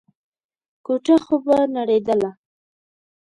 کوټه خو به نړېدله.